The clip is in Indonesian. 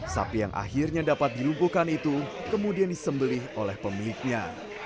sapi yang akhirnya dapat dilumpuhkan itu kemudian disembelih oleh pemiliknya